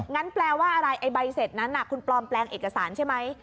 งั้นแปลว่าอะไรไอ้ใบเสร็จนั้นคุณปลอมแปลงเอกสารใช่ไหม